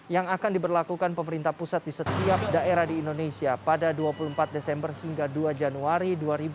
yang akan diberlakukan pemerintah pusat di setiap daerah di indonesia pada dua puluh empat desember hingga dua januari dua ribu dua puluh